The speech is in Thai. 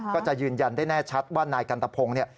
ก็จะยืนยันได้แน่ชัดว่านายกันตะพงศ์เนี่ย